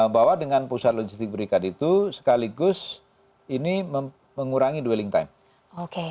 bahwa dengan pusat logistik berikat itu sekaligus ini mengurangi dwelling time